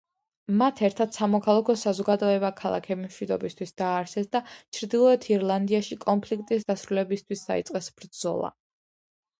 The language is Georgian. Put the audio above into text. მათ ერთად სამოქალაქო საზოგადოება „ქალები მშვიდობისთვის“ დააარსეს და ჩრდილოეთ ირლანდიაში კონფლიქტის დასრულებისთვის დაიწყეს ბრძოლა.